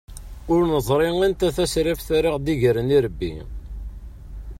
Ur neẓri anta tasraft ara aɣ-d-igren irebbi.